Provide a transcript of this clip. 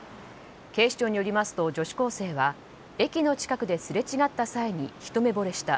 警視庁によりますと女子高生は駅の近くですれ違った際にひと目ぼれした。